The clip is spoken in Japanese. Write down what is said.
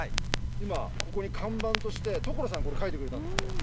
今ここに看板として所さんこれ書いてくれたんですって。